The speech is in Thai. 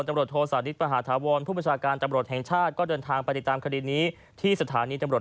แม้จะถูกยั่วยุ๊ะก็ตามนะฮะ